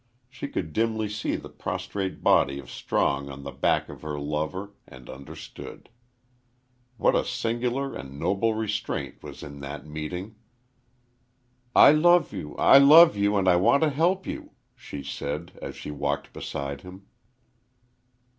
She could dimly see the prostrate body of Strong on the back of her lover, and understood. What a singular and noble restraint was in that meeting! "I love you I love you, and I want to help you," she said, as she walked beside him.